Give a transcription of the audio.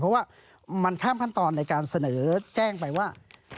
เพราะว่ามันข้ามขั้นตอนในการเสนอแจ้งไปว่า